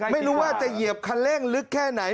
ไม่รู้ว่าจะเหยียบคันเร่งลึกแค่ไหน